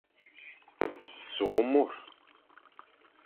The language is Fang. Sukh môr.